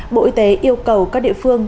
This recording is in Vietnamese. bộ y tế yêu cầu các địa phương